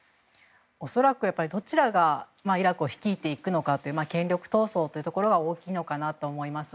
恐らく、どちらがイラクを率いていくのかという権力闘争というところが大きいのかなと思います。